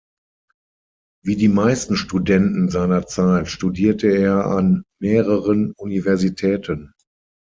Wie die meisten Studenten seiner Zeit studierte er an mehreren Universitäten.